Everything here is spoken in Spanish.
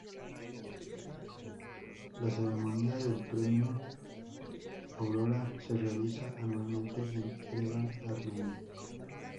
La ceremonia del Premio Aurora se realiza anualmente en Ereván, Armenia.